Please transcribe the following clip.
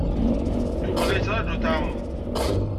Yuba la yettṛaju ad t-tɛawned.